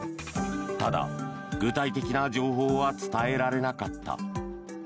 ただ、具体的な情報は伝えられなかった。